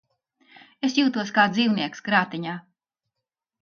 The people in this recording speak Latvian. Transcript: Es jūtos kā dzīvnieks krātiņā.